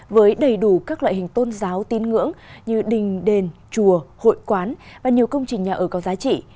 với đầy đủ các loại hình tôn giáo tín ngưỡng như đình đền chùa hội quán và nhiều công trình nhà ở có giá trị